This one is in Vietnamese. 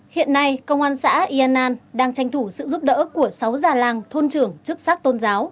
hiện nay công an xã yên an đang tranh thủ sự giúp đỡ của sáu già làng thôn trưởng chức sắc tôn giáo